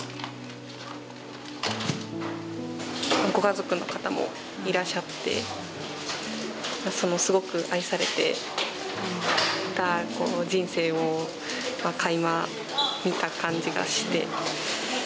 ご家族の方もいらっしゃってそのすごく愛されてた人生をかいま見た感じがして。